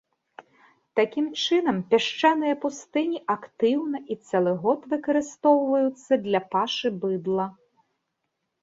Такім чынам, пясчаныя пустыні актыўна і цэлы год выкарыстоўваюцца для пашы быдла.